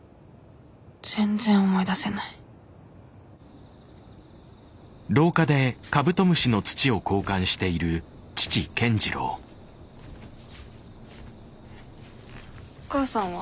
全然思い出せないお母さんは？